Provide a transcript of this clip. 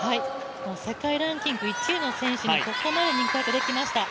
世界ランキング１位の選手にここまで向かっていきました。